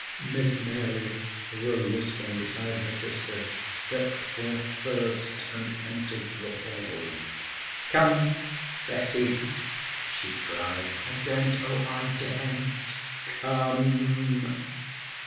Miss Mary rose from beside her sister, stepped forth first, and entered the hall. "Come, Bessie," she cried. "I daren't. Oh, I daren't." "Come!"